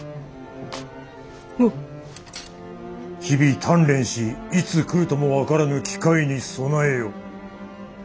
日々鍛錬しいつ来るとも分からぬ機会に備えよ。